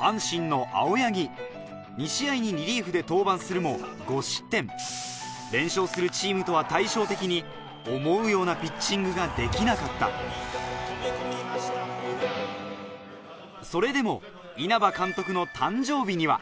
阪神の２試合にリリーフで登板するも５失点連勝するチームとは対照的に思うようなピッチングができなかったそれでも稲葉監督の誕生日には